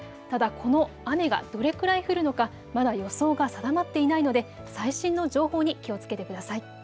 ただこの雨がどれくらい降るのかまだ予想が定まっていないので最新の情報に気をつけてください。